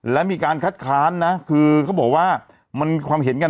และมีการคัดค้านนะคือเขาบอกว่ามันความเห็นกัน